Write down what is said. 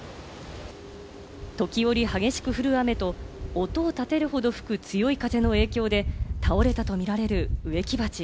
時折、激しく降る雨と音を立てるほど吹く、強い風の影響で倒れたとみられる植木鉢。